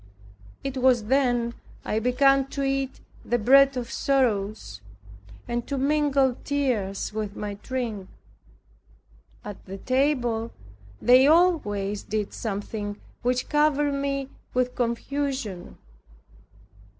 It was then I began to eat the bread of sorrows, and to mingle tears with my drink. At the table they always did something which covered me with confusion.